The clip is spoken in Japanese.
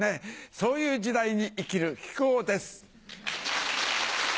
そういう時代に生きる木久扇です。